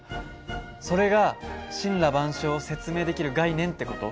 それが森羅万象を説明できる概念って事？